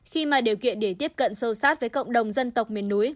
khi mà điều kiện để tiếp cận sâu sát với cộng đồng dân tộc miền núi